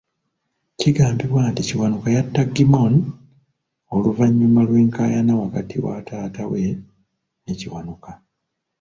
Kigambibwa nti Kiwanuka yatta Gimmony oluvannyuma lw'enkayana wakati wa taata we ne Kiwanuka.